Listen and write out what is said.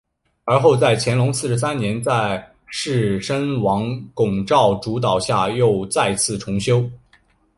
而后在乾隆四十三年在士绅王拱照主导下又再次重修。